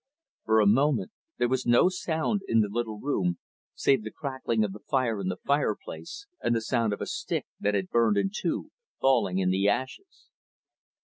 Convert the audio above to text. For a moment there was no sound in the little room, save the crackling of the fire in the fire place, and the sound of a stick that had burned in two, falling in the ashes.